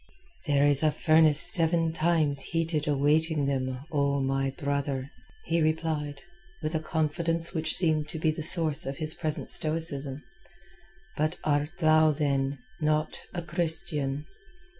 "There is a furnace seven times heated awaiting them, O my brother," he replied, with a confidence which seemed to be the source of his present stoicism. "But art thou, then, not a Christian?"